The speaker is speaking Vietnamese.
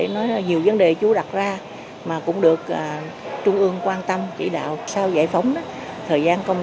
nói nhiều vấn đề chú đặt ra mà cũng được trung ương quan tâm chỉ đạo sau giải phóng thời gian công